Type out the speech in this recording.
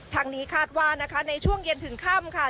ทางนี้คาดว่านะคะในช่วงเย็นถึงค่ำค่ะ